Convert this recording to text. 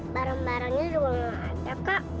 barang barangnya juga nggak ada kak